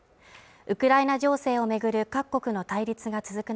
ウクライナ情勢を巡る各国の対立が続く